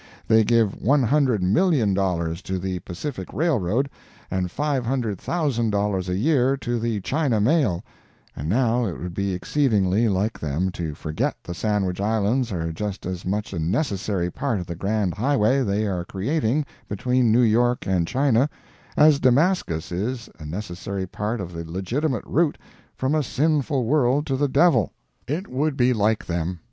They give $100,000,000 to the Pacific Railroad, and $500,000 a year to the China mail, and now it would be exceedingly like them to forget the Sandwich Islands are just as much a necessary part of the grand highway they are creating between New York and China as Damascus is a necessary part of the legitimate route from a sinful world to the devil. It would be like them.